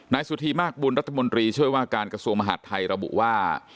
สุธีมากบุญรัฐมนตรีช่วยว่าการกระทรวงมหาดไทยระบุว่า